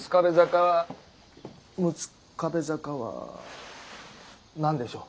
六壁坂は何でしょう？